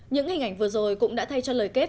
những hình ảnh vừa rồi cũng đã thay cho lời kết